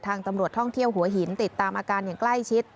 ตำรวจท่องเที่ยวหัวหินติดตามอาการอย่างใกล้ชิด